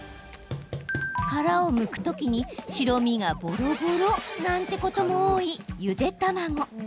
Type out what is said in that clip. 殻をむく時に白身がぼろぼろなんてことも多い、ゆで卵。